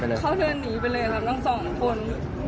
เรารู้สึกยังไงครับ